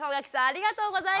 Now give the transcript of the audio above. ありがとう！